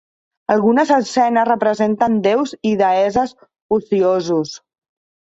Algunes escenes representen déus i deesses ociosos.